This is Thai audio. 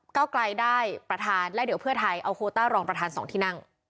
เก้าไกลได้ประธานและเดี๋ยวเพื่อไทยเอาโคต้ารองประธาน๒ที่นั่ง